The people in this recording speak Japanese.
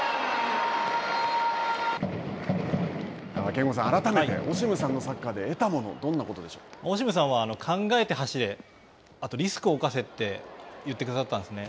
憲剛さん、改めてオシムさんのサッカーで得たもの、オシムさんは、考えて走れ、あと、リスクを冒せって言ってくださったんですね。